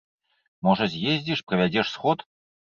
Можа з'ездзіш, правядзеш сход?